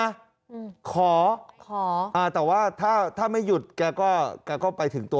อืมขอขออ่าแต่ว่าถ้าถ้าไม่หยุดแกก็แกก็ไปถึงตัว